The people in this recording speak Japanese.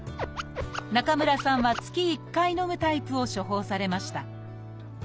中村さんは月１回のむタイプを処方されました。